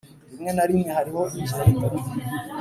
rimwe na rimwe hariho ingendo